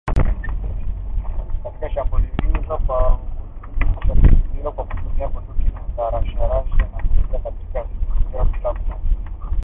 katika shambulizi hilo kwa kutumia bunduki za rashasha na kurejea katika vituo vyao bila kuumia